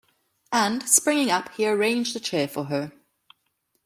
And, springing up, he arranged a chair for her.